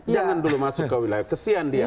jangan dulu masuk ke wilayah pesisian dia